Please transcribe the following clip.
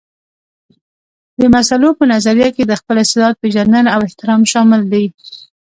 د مسلو په نظريه کې د خپل استعداد پېژندنه او احترام شامل دي.